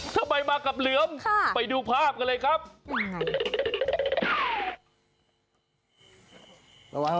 ทำไมมากับเหลือไปดูภาพกันเลยครับค่ะยังไง